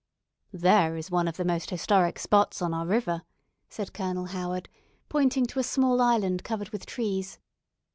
"There is one of the most historic spots on our river," said Colonel Howard, pointing to a small island covered with trees.